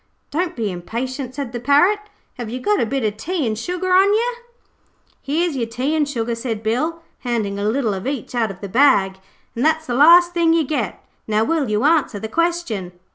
'Don't be impatient,' said the Parrot. 'Have you got a bit o' tea an' sugar on yer?' 'Here's yer tea an' sugar,' said Bill, handing a little of each out of the bag. 'And that's the last thing you get. Now will you answer the question?'